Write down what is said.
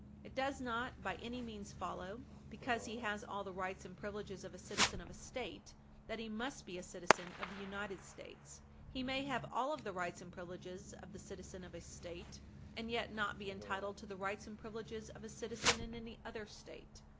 It does not by any means follow, because he has all the rights and privileges of a citizen of a State, that he must be a citizen of the United States. He may have all of the rights and privileges of the citizen of a State and yet not be entitled to the rights and privileges of a citizen in any other State.